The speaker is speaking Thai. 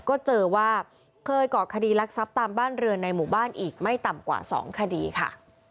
ก็เจอว่าเคยเกาะคดีรักทรัพย์ตามบ้านเรือนในหมู่บ้านอีกไม่ต่ำกว่า๒คดีค่ะ